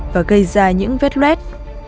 và gây ra những vết lết